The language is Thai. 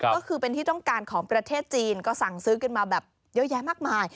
ก็คือเป็นที่ต้องการของประเทศจีนก็สั่งซื้อกันมาแบบเยอะแยะมากมาย